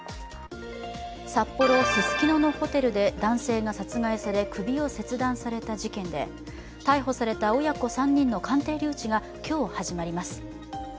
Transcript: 札幌・ススキノのホテルで男性が殺害され、首を切断された事件で逮捕された親子３人の鑑定留置が今日、始まります。